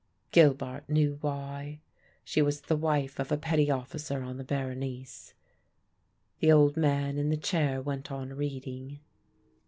Gilbart knew why. She was the wife of a petty officer on the Berenice. The old man in the chair went on reading.